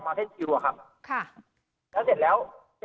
แล้วเสร็จแล้ว